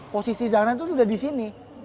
posisi zahra itu udah di sini